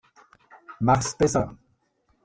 Mach's besser.